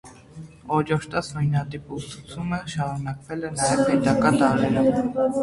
Օրիորդաց նույնատիպ ուսուցումը շարունակվել է նաև հետագա դարերում։